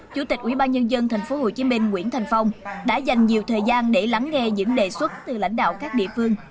chủ tịch quỹ ban nhân dân tp hcm nguyễn thành phong đã dành nhiều thời gian để lắng nghe những đề xuất từ lãnh đạo các địa phương